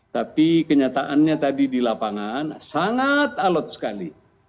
tapi kenyataannya tadi di lapangan sangat alot sekali